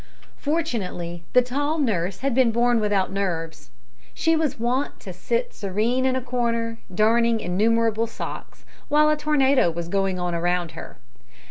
Fortunately, the tall nurse had been born without nerves. She was wont to sit serene in a corner, darning innumerable socks, while a tornado was going on around her.